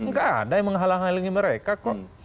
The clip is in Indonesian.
nggak ada yang menghalangi mereka kok